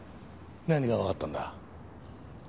何がわかったんだ？